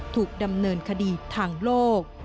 ถูกดำเนินคดีทางโลก